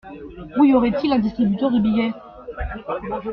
Où y aurait-il un distributeur de billets ?